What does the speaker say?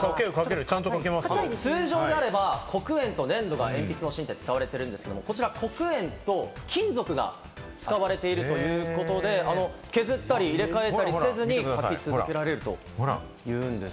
通常であれば、黒鉛と粘土が鉛筆の芯に使われているんですが、こちら黒鉛と金属が使われているということで、削ったり入れ替えたりせずに書き続けられる。